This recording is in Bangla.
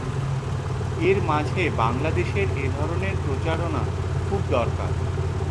এর মাঝে বাংলাদেশের এ ধরনের প্রচারণা খুব দরকার।